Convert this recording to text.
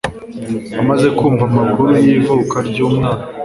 Amaze kumva amakuru y’ivuka ry’umwana